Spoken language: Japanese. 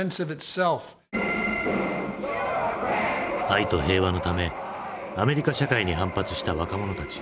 愛と平和のためアメリカ社会に反発した若者たち。